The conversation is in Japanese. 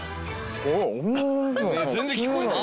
全然聞こえない。